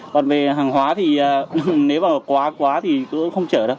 còn về hàng hóa thì nếu mà quá quá thì cũng không chở đâu